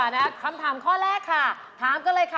โอ้โหไซมอนก็อาจจะไม่ค่อยชอบชอบฮะ